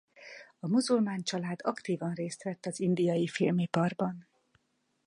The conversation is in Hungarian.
A muzulmán család aktívan részt vett az indiai filmiparban.